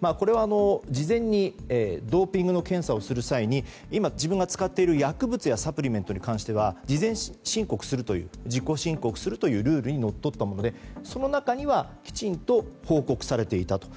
これは事前にドーピングの検査をする際に今、自分が使っている薬物やサプリメントに関しては自己申告するというルールにのっとったものでその中にはきちんと報告されていたと。